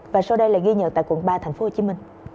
và sau đây là ghi nhận tại quận ba tp hcm